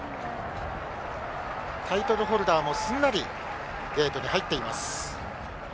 タイトルホルダーもすんなりゲートに入っています。